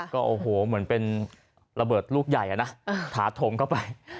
ก็โอ้โหเหมือนเป็นระเบิดลูกใหญ่นะถาถมเข้าไป